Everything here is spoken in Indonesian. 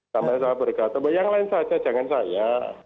sama sama berkata yang lain saja jangan saya